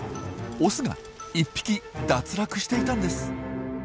オスが１匹脱落していたんです。